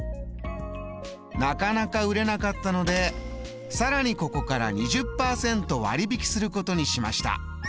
なかなか売れなかったのでさらにここから２０％割引することにしました。